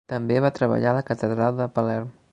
També va treballar a la catedral de Palerm.